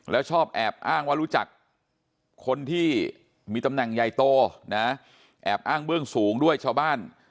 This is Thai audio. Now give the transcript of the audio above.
แล้วชอบแอบอ้างว่ารู้จักคนที่มีตำแหน่งใหญ่โตนะแอบอ้างเบื้องสูงด้วยชาวบ้าน